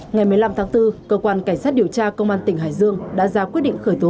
ngày một mươi năm tháng bốn cơ quan cảnh sát điều tra công an tỉnh hải dương đã ra quyết định khởi tố